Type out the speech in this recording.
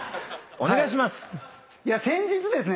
お願いします。